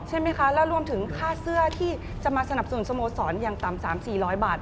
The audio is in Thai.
ใช่ไหมคะแล้วรวมถึงค่าเสื้อที่จะมาสนับสนุนสโมสรอย่างต่ำ๓๔๐๐บาท